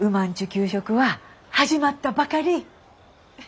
給食は始まったばかり。